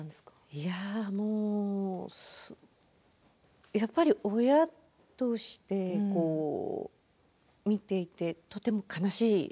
いやあ、もうやっぱり親として見ていてとても悲しい。